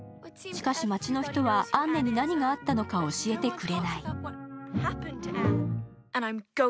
しかし、街の人はアンネに何があったのかを教えてくれない。